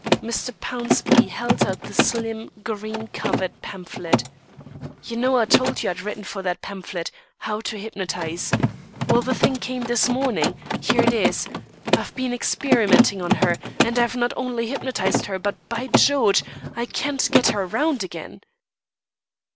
Mr. Pownceby held out the slim, green covered pamphlet. "You know I told you I'd written for that pamphlet, 'How to Hypnotise.' Well, the thing came this morning; here it is! I've been experimenting on her, and I've not only hypnotised her, but, by George, I can't get her round again."